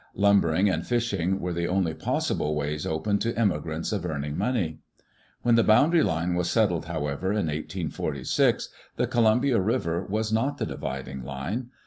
Lum bering and fishing were the only possible ways open to emigrants of earning money. When the boundary line was settled, however, in 1846, the Columbia River was not the dividing line.